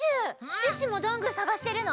シュッシュもどんぐーさがしてるの？